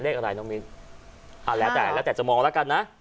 เลขอะไรน้องมิ้นแล้วแต่แล้วแต่จะมองแล้วกันนะ